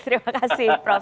terima kasih prof